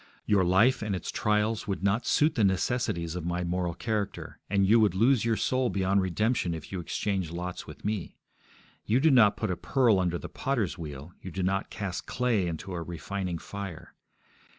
Your life and its trials would not suit the necessities of my moral character, and you would lose your soul beyond redemption if you exchanged lots with me. You do not put a pearl under the potter's wheel; you do not cast clay into a refining fire.